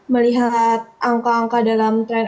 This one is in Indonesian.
melihat angka angka dalam tren